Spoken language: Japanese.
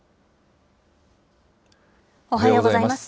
おはようございます。